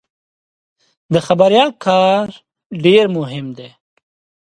د خبریال کار ډېر مهم دی.